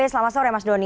selamat sore mas doni